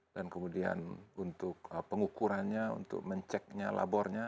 dan kemudian untuk pengukurannya untuk menceknya labornya